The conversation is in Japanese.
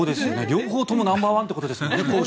両方ともナンバーワンということですもんね。